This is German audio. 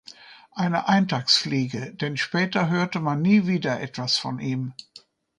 Eine "„Eintagsfliege“", denn später hörte man nie wieder etwas von ihm.